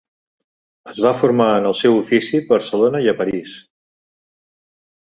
Es va formar en el seu ofici Barcelona i a París.